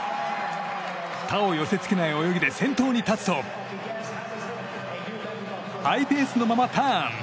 他を寄せ付けない泳ぎで先頭に立つとハイペースのままターン！